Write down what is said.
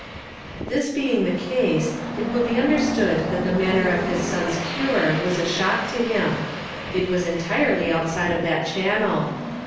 This being the case, it will be understood that the manner of his son's cure was a shock to him ; it was entirely outside of that channel.